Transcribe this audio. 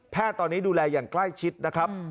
ตอนนี้ดูแลอย่างใกล้ชิดนะครับ